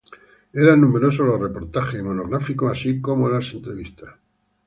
Eran numerosos los reportajes y monográficos así como las entrevistas.